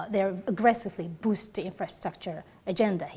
mereka memperkuat agendanya infrastruktur agendanya